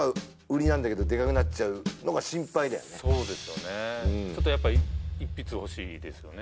うんちょっとやっぱり一筆欲しいですよね